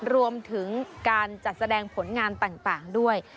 รวมถึงการจัดแสดงผลงานต่างด้วย